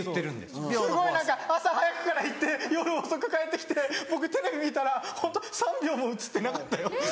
すごい何か朝早くから行って夜遅く帰って来て僕テレビ見たらホント３秒も映ってなかったよ。